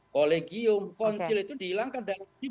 kolegium koncil itu dihilangkan dari